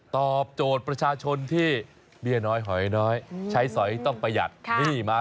ธรรมดานี้๔๙ได้ตักเรื่อยเลยเหรอ